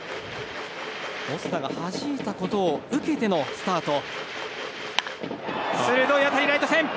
オスナがはじいたことを受けてのスタート。